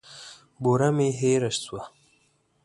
بوره مي هېره سوه .